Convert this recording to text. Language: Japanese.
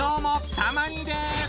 たま兄です！